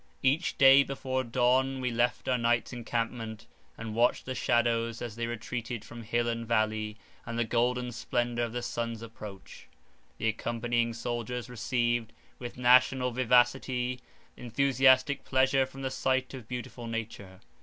Each day, before dawn, we left our night's encampment, and watched the shadows as they retreated from hill and valley, and the golden splendour of the sun's approach. The accompanying soldiers received, with national vivacity, enthusiastic pleasure from the sight of beautiful nature.